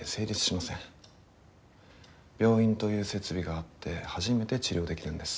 病院という設備があって初めて治療できるんです。